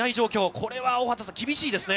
これは大畑さん、厳しいですね。